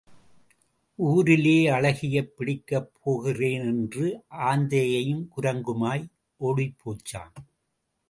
ஊரிலே அழகியைப் பிடிக்கப் போகிறானென்று ஆந்தையும் குரங்குமாய் ஓடிப் போச்சாம்.